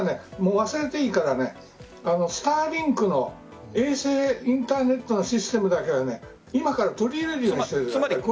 忘れていいからスターリンクの衛星インターネットのシステムだけは今から取り入れるようにしてください。